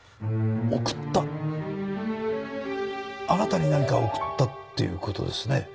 あなたに何か送ったっていう事ですね？